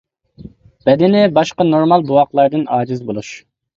بەدىنى باشقا نورمال بوۋاقلاردىن ئاجىز بولۇش.